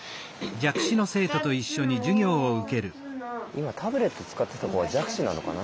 今タブレット使ってた子は弱視なのかな。